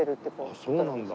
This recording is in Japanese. あっそうなんだ。